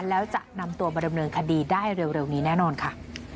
แล้วจะนำตัวมาดำเนินคดีได้เร็วนี้แน่นอนค่ะ